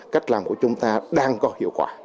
cách làm của chúng ta đang có hiệu quả